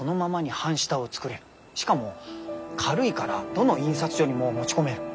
しかも軽いからどの印刷所にも持ち込める。